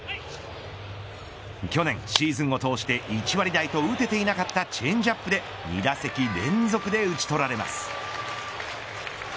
去年シーズンを通して１割台と打てていなかったチェンジアップで２打席連続で打ち取られます。